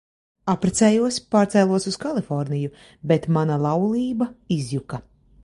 Apprecējos, pārcēlos uz Kaliforniju, bet mana laulība izjuka.